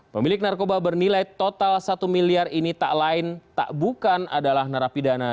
pemilik narkoba bernilai total satu miliar ini tak lain tak bukan adalah narapidana